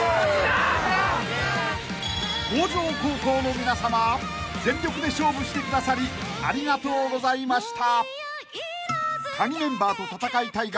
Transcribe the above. ［向上高校の皆さま全力で勝負してくださりありがとうございました］